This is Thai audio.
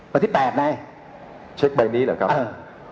วันที่๘ไหนเช็คใบนี้หรอครับเออ